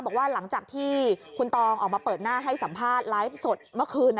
บอกว่าหลังจากที่คุณตองออกมาเปิดหน้าให้สัมภาษณ์ไลฟ์สดเมื่อคืน